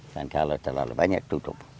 dan kalau terlalu banyak tutup